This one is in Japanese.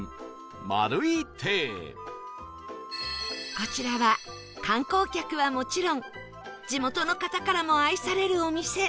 こちらは観光客はもちろん地元の方からも愛されるお店